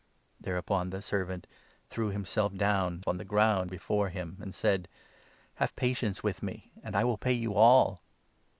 Thereupon 26 the servant threw himself down on the ground before him and said 'Have patience with me, and I will pay you all.'